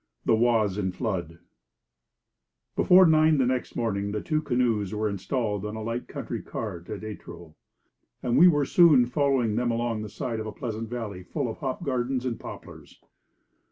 THE OISE IN FLOOD BEFORE nine next morning the two canoes were installed on a light country cart at Étreux: and we were soon following them along the side of a pleasant valley full of hop gardens and poplars.